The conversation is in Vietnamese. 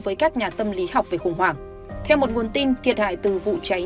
với các nhà tâm lý học về khủng hoảng theo một nguồn tin thiệt hại từ vụ cháy